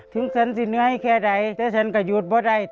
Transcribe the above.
ถึงฉันที่เหนือให้แค่ใดแต่ฉันก็หยุดไม่ได้